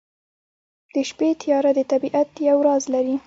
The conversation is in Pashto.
د شپې تیاره د طبیعت یو راز لري.